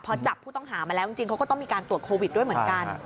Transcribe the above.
พอจับผู้ต้องหามาแล้วจริงเขาก็ต้องมีการตรวจโควิดด้วยเหมือนกัน